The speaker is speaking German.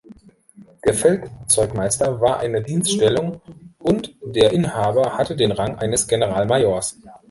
Der Feldzeugmeister war eine Dienststellung und der Inhaber hatte den Rang eines Generalmajors.